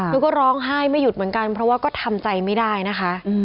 ก็ร้องไห้ไม่หยุดเหมือนกันเพราะว่าก็ทำใจไม่ได้นะคะ